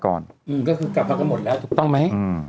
ก็คือกลับมากันหมดแล้วถูกต้องไหม